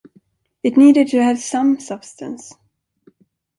It needed to have some substance.